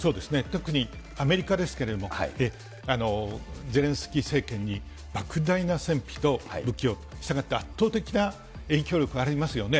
特にアメリカですけれども、ゼレンスキー政権に莫大な戦費と武器を、したがって圧倒的な影響力ありますよね。